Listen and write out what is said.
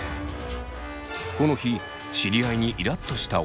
この日知り合いにイラっとした小高さん。